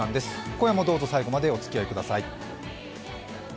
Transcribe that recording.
今夜もどうぞ最後までおつきあいください。